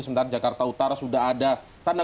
sementara jakarta utara sudah ada tanda